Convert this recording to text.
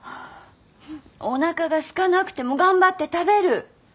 おなかがすかなくても頑張って食べる。